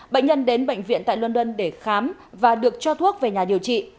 bệnh nhân đến bệnh viện tại london để khám và được cho thuốc về nhà điều trị